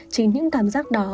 chính những cảm giác đó